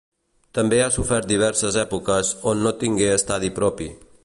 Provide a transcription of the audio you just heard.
També ha sofert diverses èpoques on no tingué estadi propi.